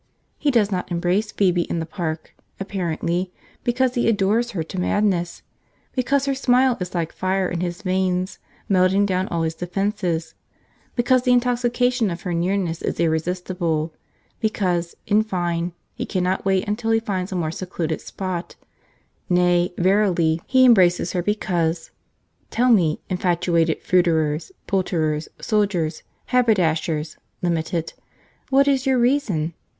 He does not embrace Phoebe in the park, apparently, because he adores her to madness; because her smile is like fire in his veins, melting down all his defences; because the intoxication of her nearness is irresistible; because, in fine, he cannot wait until he finds a more secluded spot: nay, verily, he embraces her because tell me, infatuated fruiterers, poulterers, soldiers, haberdashers (limited), what is your reason?